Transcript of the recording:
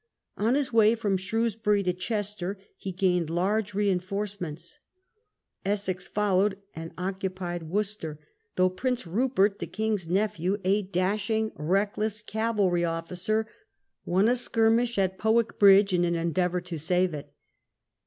On his way from Shrewsbury to Chester he gained large re inforcements. Essex followed and occupied Worcester, though Prince Rupert, the king's nephew, a dashing, reck less cavalry officer, won a skirmish at Powick Bridge, in an endeavour to save it.